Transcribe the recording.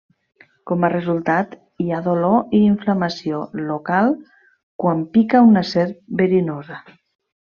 Com a resultat hi ha dolor i inflamació local quan pica una serp verinosa.